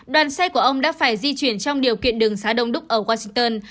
đoàn xe của ông đã phải di chuyển trong điều kiện đường xá đông đúc ở washington